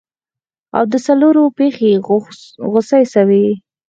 او د څلورو پښې غوڅې سوې.